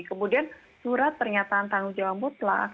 kemudian surat pernyataan tanggung jawab telah aktif